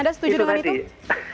anda setuju dengan itu